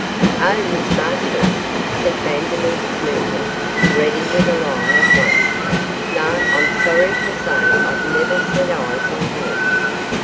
'Oh, Miss Marchurst!' said Vandeloup, smoothly, ready with a lie at once. 'No, I'm sorry to say I've never set eyes on her.